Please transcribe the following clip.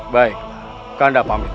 baiklah kakanda pamit